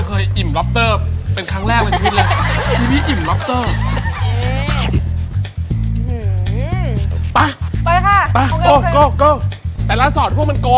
ชื่อดังโรหิวแน่นอน